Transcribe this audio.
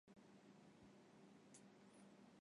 陈曾栻早年毕业于日本明治大学。